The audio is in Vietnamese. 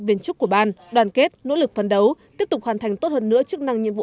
viên chức của ban đoàn kết nỗ lực phấn đấu tiếp tục hoàn thành tốt hơn nữa chức năng nhiệm vụ